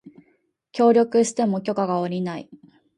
協力しても許可が降りない